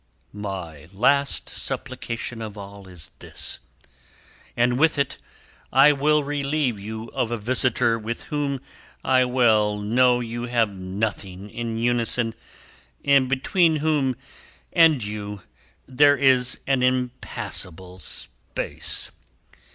"My last supplication of all, is this; and with it, I will relieve you of a visitor with whom I well know you have nothing in unison, and between whom and you there is an impassable space.